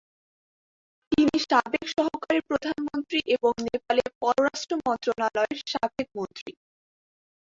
তিনি সাবেক সহকারী প্রধানমন্ত্রী এবং নেপালের পররাষ্ট্র মন্ত্রনালয়ের সাবেক মন্ত্রী।